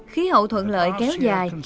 khí hậu thuận lợi kéo dài